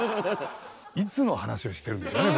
いつの話をしてるんでしょうね